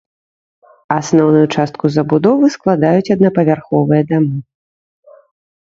Асноўную частку забудовы складаюць аднапавярховыя дамы.